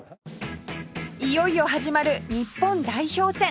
いよいよ始まる日本代表戦